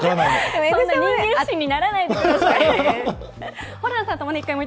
そんな人間不信にならないでください。